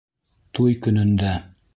Туй көнөндә!